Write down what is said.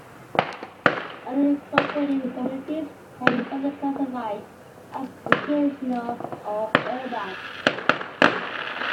Unincorporated communities can be further classified as recreational or urban.